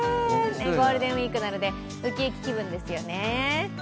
ゴールデンウイークなので、ウキウキ気分ですよね。